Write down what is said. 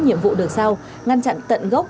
nhiệm vụ được sao ngăn chặn tận gốc